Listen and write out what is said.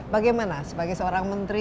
bagaimana sebagai seorang menteri